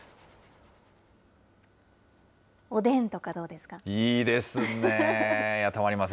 おでんとかどうですか？